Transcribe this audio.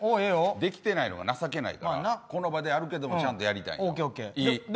できてないのが情けないからこの場である程度ちゃんとやりたい、いい。